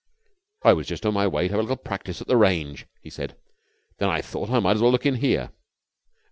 "I was just on my way to have a little practice at the range," he said. "Then I thought I might as well look in here."